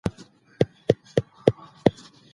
افراطي واکمني ولي د ازادې ټولني لپاره ګواښ ګڼل کېږي؟